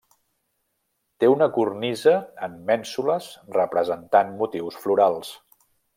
Té una cornisa amb mènsules representant motius florals.